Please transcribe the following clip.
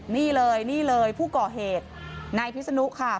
นี่เลยนี่เลยผู้ก่อเหตุนายพิศนุค่ะ